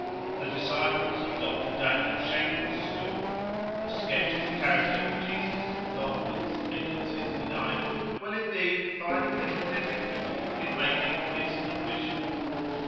The disciples of Dr. Daniel Schenkel's school ("A Sketch of the Character of Jesus," Longmans, 1869) will indeed find little difficulty in making this admission.